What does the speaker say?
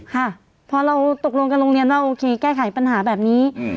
ค่ะพอเราตกลงกับโรงเรียนว่าโอเคแก้ไขปัญหาแบบนี้